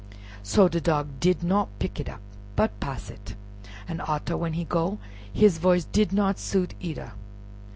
So Dog did not pick it up, but pass it; but arter, when he go, his voice did not suit either.